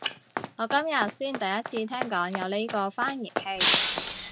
我今日先第一次聽講有呢個翻譯器